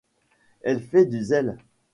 Elle fait du zèle.